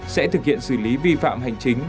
sẽ thực hiện xử lý vi phạm hành chính